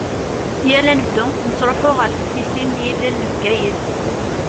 Yal anebdu nettruḥu ɣer teftisin n yilel n Bgayet.